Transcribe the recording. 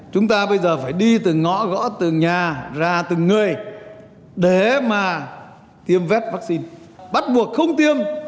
chúng ta bây giờ phải đi từ ngõ gõ từng nhà ra từng người để mà tiêm vét vaccine bắt buộc không tiêm